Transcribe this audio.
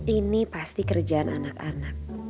ini pasti kerjaan anak anak